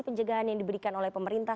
pencegahan yang diberikan oleh pemerintah